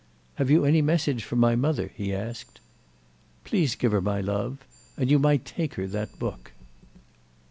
"Have you any message for my mother?" he asked. "Please give her my love. And you might take her that book."